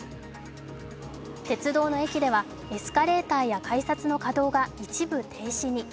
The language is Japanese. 鉄道の駅ではエスカレーターや改札の稼働が一部停止に。